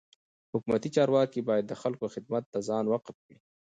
حکومتي چارواکي باید د خلکو خدمت ته ځان وقف کي.